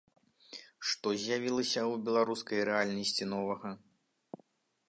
Што з'явілася ў беларускай рэальнасці новага?